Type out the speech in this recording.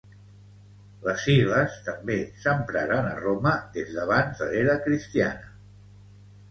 Les sigles també s'empraren a Roma des d'abans de l'era cristiana.